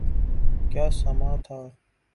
کیا سماں تھا۔